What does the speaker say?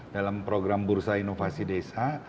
dalam program bursa inovasi desa